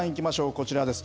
こちらです。